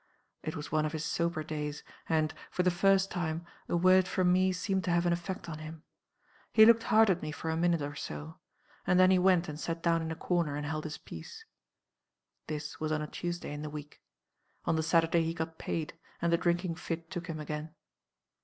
It was one of his sober days; and, for the first time, a word from me seemed to have an effect on him. He looked hard at me for a minute or so. And then he went and sat down in a corner, and held his peace. "This was on a Tuesday in the week. On the Saturday he got paid, and the drinking fit took him again.